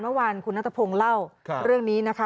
เมื่อวานคุณนัทพงศ์เล่าเรื่องนี้นะคะ